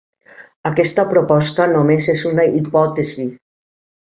Aquesta proposta només és una hipòtesi.